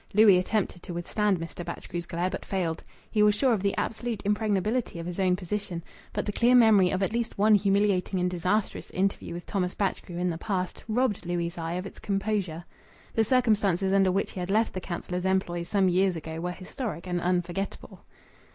Louis attempted to withstand Mr. Batchgrew's glare, but failed. He was sure of the absolute impregnability of his own position; but the clear memory of at least one humiliating and disastrous interview with Thomas Batchgrew in the past robbed Louis' eye of its composure. The circumstances under which he had left the councillor's employ some years ago were historic and unforgettable.